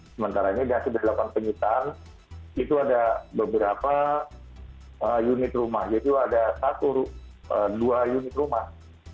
sementara ini sudah dilakukan penyitaan itu ada beberapa unit rumah jadi itu ada satu dua unit rumah